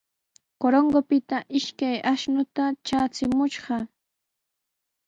Corongopita ishkay ashnuta traachimushqa.